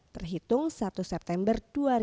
terhitung satu september dua ribu dua puluh